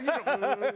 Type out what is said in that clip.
ハハハハ！